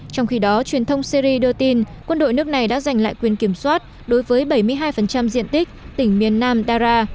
trong khi đó truyền thông syri đưa tin quân đội nước này đã giành lại quyền kiểm soát đối với bảy mươi hai diện tích tỉnh miền nam dara